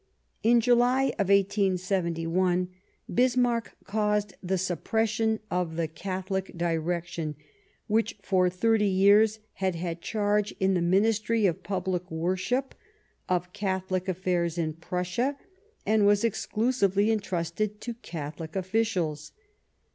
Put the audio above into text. In July 1871 Bismarck caused the suppression of the " Catholic Direction," which for thirty years had had charge, in the Ministry of Public Worship, of Catholic affairs in Prussia, and was exclusively en trusted to Catholic officials.